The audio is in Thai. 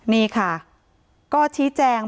นี่ค่ะก็ชี้แจง